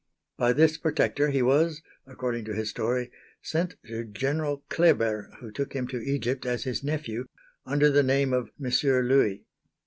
By this protector he was, according to his story, sent to General Kléber who took him to Egypt as his nephew under the name of Monsieur Louis.